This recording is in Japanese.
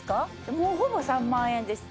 もうほぼ３万円ですよね。